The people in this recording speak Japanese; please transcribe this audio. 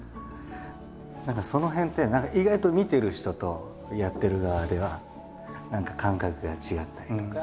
何かその辺って意外と見てる人とやってる側では何か感覚が違ったりとか。